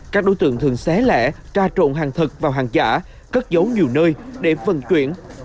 các đối tượng thường xé lẻ tra trộn hàng thật vào hàng giả cất dấu nhiều nơi để vận chuyển